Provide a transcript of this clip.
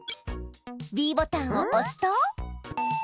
ｂボタンをおすと。